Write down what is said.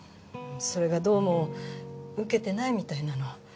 それがどうも受けてないみたいなの。